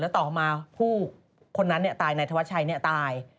และต่อมาผู้คนนั้นเนี่ยตายณธวัชชัยเนี่ยตาย